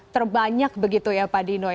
terbanyak begitu ya pak dino ya